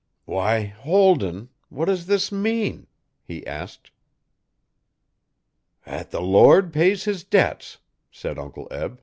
'Why, Holden! What does this mean?' he asked. ''At the Lord pays His debts,' said Uncle Eb.